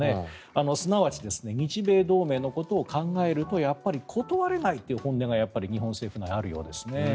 すなわち日米同盟のことを考えるとやはり断れないという本音が日本政府の中にあるようです。